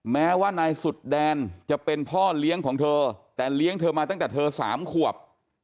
แม้ว่านายสุดแดนจะเป็นพ่อเลี้ยงของเธอแต่เลี้ยงเธอมาตั้งแต่เธอ๓ขวบ